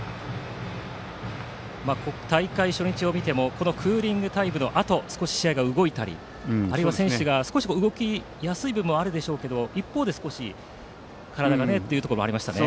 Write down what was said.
大会初日を見てもクーリングタイムのあと少し試合が動いたりあるいは選手も動きやすい分もあるんでしょうが一方、少し体がというのもありましたね。